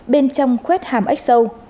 bên trong khuét hàm ếch sâu